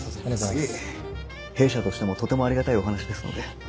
いえ弊社としてもとてもありがたいお話ですので。